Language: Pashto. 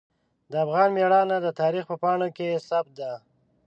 د افغان میړانه د تاریخ په پاڼو کې ثبت ده.